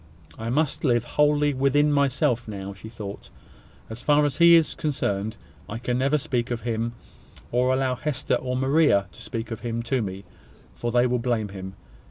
"I must live wholly within myself now," she thought, "as far as he is concerned. I can never speak of him, or allow Hester and Maria to speak of him to me; for they will blame him.